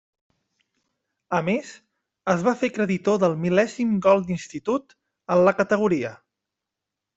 A més, es va fer creditor del mil·lèsim gol d'Institut en la categoria.